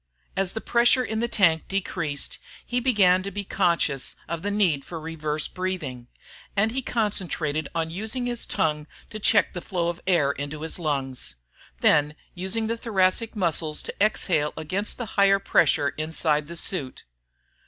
As the pressure in the tank decreased, he began to be conscious of the need for "reverse breathing" and he concentrated on using his tongue to check the flow of air into his lungs, then using the thoracic muscles to exhale against the higher pressure inside the suit.